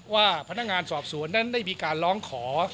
ว่าพนักงานสอบสวนนั้นได้มีการร้องขอ